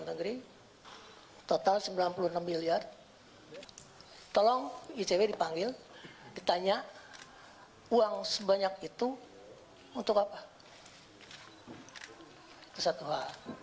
total sembilan puluh enam miliar tolong icw dipanggil ditanya uang sebanyak itu untuk apa hai itu satu hal